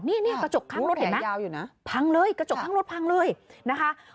นี่กระจกข้างรถเห็นไหมพังเลยกระจกข้างรถพังเลยนะคะ